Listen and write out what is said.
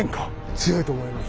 強いと思います。